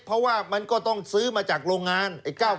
เพราะว่ามันก็ต้องซื้อมาจากโรงงาน๙๙